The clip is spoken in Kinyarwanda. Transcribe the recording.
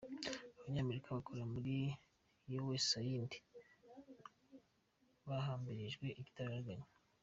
Abanyamerika bakora muri Yuwesayindi bahambirijwe igitaraganya